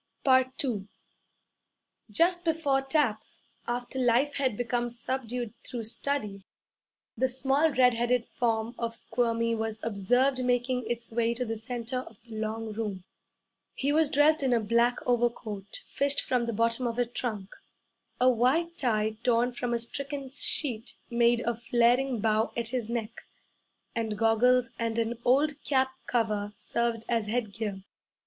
II Just before taps, after life had become subdued through study, the small red headed form of Squirmy was observed making its way to the centre of the long room. He was dressed in a black overcoat fished from the bottom of a trunk. A white tie torn from a stricken sheet made a flaring bow at his neck, and goggles and an old cap cover served as headgear.